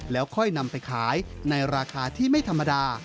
แล้วค่อยนำไปขายในราคาที่ไม่ธรรมดา